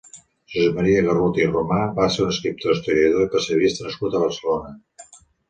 Josep Maria Garrut i Romà va ser un escriptor, historiador i pessebrista nascut a Barcelona.